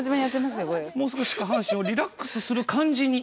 もう少し下半身をリラックスする感じに。